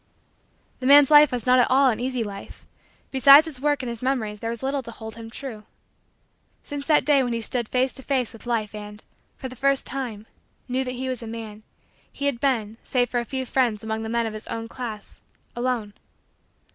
The man's life was not at all an easy life. Beside his work and his memories there was little to hold him true. Since that day when he stood face to face with Life and, for the first time, knew that he was a man, he had been, save for a few friends among the men of his own class, alone.